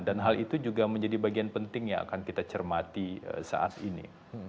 dan hal itu juga menjadi bagian penting yang akan kita cermati saat ini